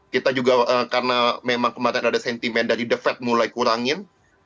kita juga karena memang kemarin ada sentimen dari the fed mulai kurangin